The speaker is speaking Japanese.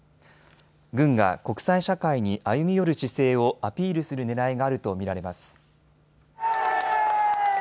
軍が国際社会に歩み寄る姿勢をアピールするねらいがあると見られます。